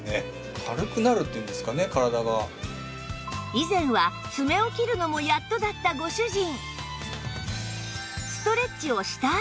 以前は爪を切るのもやっとだったご主人